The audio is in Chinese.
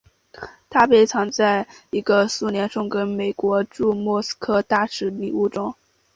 它被藏在一个苏联送给美国驻莫斯科大使的礼物中。